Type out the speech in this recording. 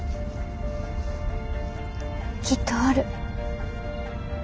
きっとおる。